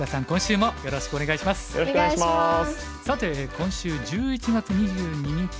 さて今週１１月２２日